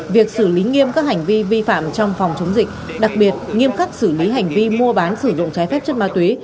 việc xử lý nghiêm các hành vi vi phạm trong phòng chống dịch đặc biệt nghiêm khắc xử lý hành vi mua bán sử dụng trái phép chất ma túy